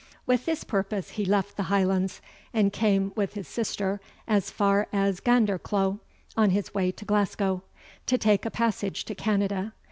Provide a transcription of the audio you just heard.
With this purpose he left the Highlands, and came with his sister as far as Gandercleugh, on his way to Glasgow, to take a passage to Canada.